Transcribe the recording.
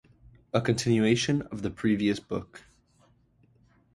A continuation of the previous book.